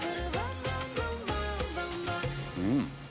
うん！